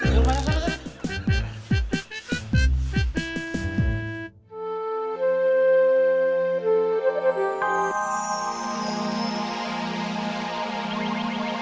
yaa balik dulu deh